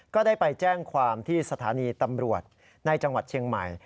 ก็ได้ไปแจ้งความที่สถานีตำรวจในจังหวัดเชียงใหม่